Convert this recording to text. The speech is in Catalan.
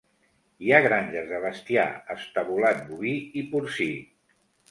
Hi ha granges de bestiar estabulat boví i porcí.